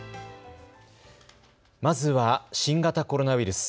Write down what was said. まずは新型コロナウイルス。